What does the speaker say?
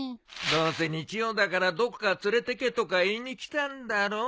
どうせ日曜だからどこか連れてけとか言いに来たんだろ。